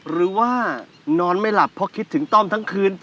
หรือว่านอนไม่หลับเพราะคิดถึงต้อมทั้งคืน